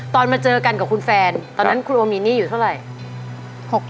มาเจอกันกับคุณแฟนตอนนั้นครัวมีหนี้อยู่เท่าไหร่